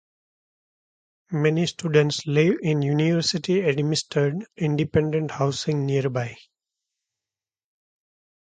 Many students live in university-administered independent housing nearby.